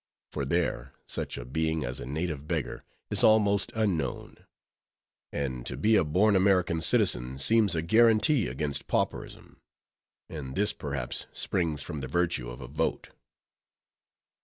For there, such a being as a native beggar is almost unknown; and to be a born American citizen seems a guarantee against pauperism; and this, perhaps, springs from the virtue of a vote.